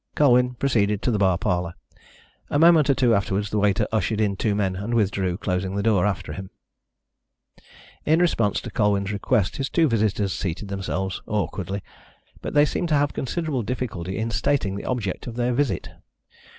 Colwyn proceeded to the bar parlour. A moment or two afterwards the waiter ushered in two men and withdrew, closing the door after him. In response to Colwyn's request, his two visitors seated themselves awkwardly, but they seemed to have considerable difficulty in stating the object of their visit.